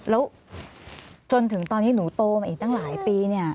แล้วจนถึงตอนนี้หนูโตมาอีกตั้งหลายปีเนี่ย